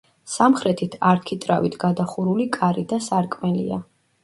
სამხრეთით არქიტრავით გადახურული კარი და სარკმელია.